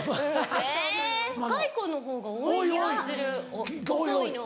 えぇ若い子の方が多い気がする遅いの。